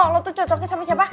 lo tuh cocoknya sama siapa